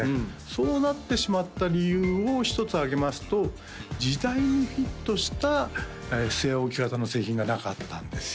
そうなってしまった理由を一つ挙げますと時代にフィットした据え置き型の製品がなかったんですよ